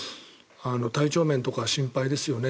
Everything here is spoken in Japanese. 体調面とか心配ですよね。